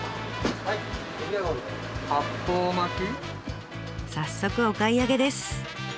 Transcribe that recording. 早速お買い上げです。